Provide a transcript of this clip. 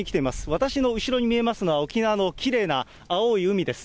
私の後ろに見えますのは、沖縄のきれいな青い海です。